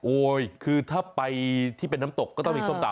คือถ้าไปที่เป็นน้ำตกก็ต้องมีส้มตำ